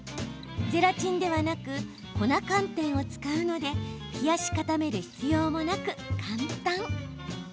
ゼラチンではなく粉寒天を使うので冷やし固める必要もなく簡単。